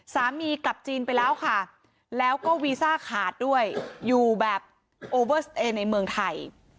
สามีกลับจีนไปแล้วค่ะแล้วก็วีซ่าขาดด้วยอยู่แบบในเมืองไทย